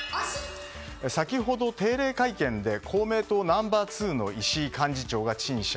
先ほど、定例会見で公明党ナンバー２の石井幹事長が陳謝。